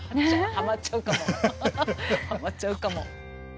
はまっちゃうかも。